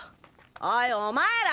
おいお前ら！